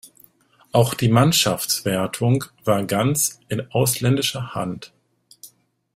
Auch die Mannschaftswertung war ganz in ausländischer Hand.